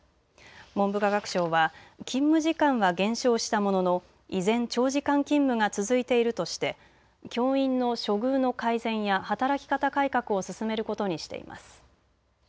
文部科学省は勤務時間は減少したものの依然、長時間勤務が続いているとして教員の処遇の改善や働き方改革を進めることにしています。